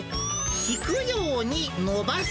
引くようにのばす。